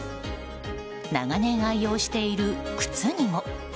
長年、愛用している靴にも。